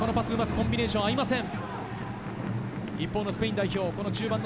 コンビネーション合いません。